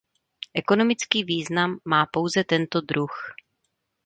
Ekonomický význam má pouze tento druh.